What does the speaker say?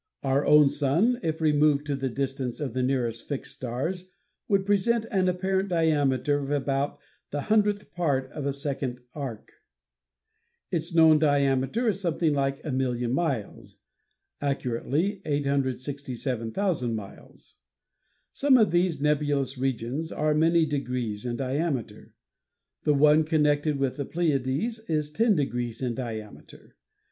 Our own Sun if removed to the distance of the nearest fixed stars would present an apparent diameter of about the hundredth part of a second of arc. Its known diameter is something like a million miles (accurately 867,000 miles). Some of these nebulous regions are many degrees in diameter. The one connected with the Pleiades is ten degrees in diameter.